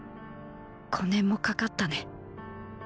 五年もかかったね。